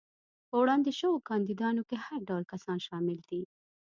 په وړاندې شوو کاندیدانو کې هر ډول کسان شامل دي.